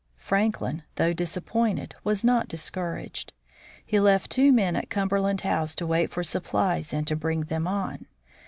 Franklin, though disappointed, was not discouraged. He left two men at Cumberland House to wait for sup plies and to bring them on.